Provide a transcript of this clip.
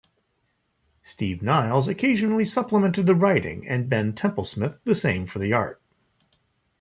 Steve Niles occasionally supplemented the writing and Ben Templesmith the same for the art.